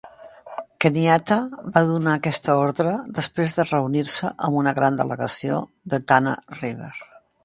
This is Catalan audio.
Kenyatta va donar aquesta ordre després de reunir-se amb una gran delegació de Tana River.